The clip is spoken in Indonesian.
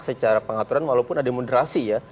secara pengaturan walaupun ada moderasi ya